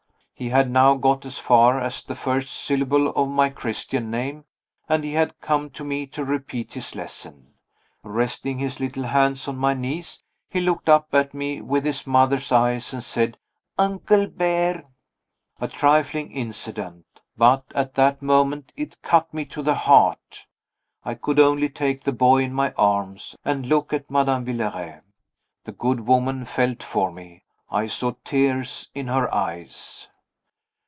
He had now got as far as the first syllable of my Christian name, and he had come to me to repeat his lesson. Resting his little hands on my knees, he looked up at me with his mother's eyes, and said, "Uncle Ber'." A trifling incident, but, at that moment, it cut me to the heart. I could only take the boy in my arms, and look at Madame Villeray. The good woman felt for me. I saw tears in her eyes.